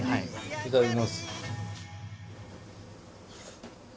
いただきます。